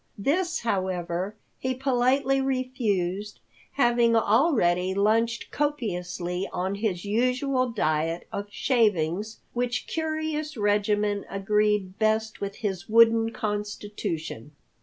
This, however, he politely refused, having already lunched copiously on his usual diet of shavings which curious regimen agreed best with his wooden constitution.